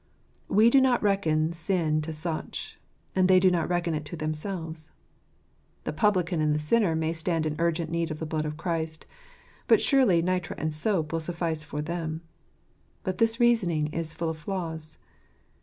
We do not reckon sin to such ; and they do not reckon it to themselves. The publican and the sinner may stand in urgent need of the blood of Christ 5 but surely nitre and soap will suffice for them. But this reasoning is full of flaws.